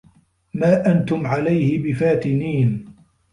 ما أَنتُم عَلَيهِ بِفاتِنينَ